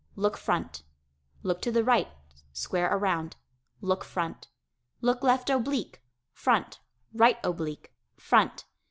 Look front. Look to the right (square around). Look front. Look left oblique. Front. Right oblique. Front.